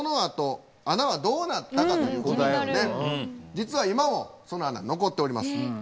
実は今もその穴残っております。